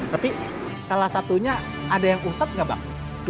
tapi salah satunya ada yang ustadz gak bang